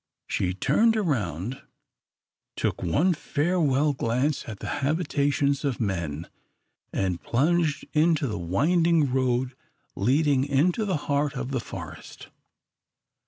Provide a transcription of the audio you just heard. She turned around, took one farewell glance at the habitations of men, and plunged into the winding road leading into the heart of the forest.